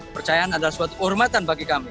percayaan adalah suatu kehormatan bagi kami